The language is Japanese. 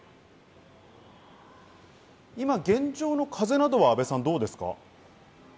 今、現状の風などはどうですか？